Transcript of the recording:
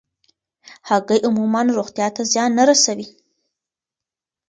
هګۍ عموماً روغتیا ته زیان نه رسوي.